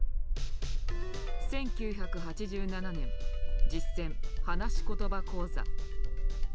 １９８７年「実践・はなしことば講座」。